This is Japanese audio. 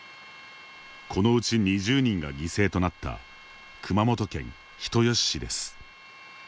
このうち２０人が犠牲となった熊本県人吉市です。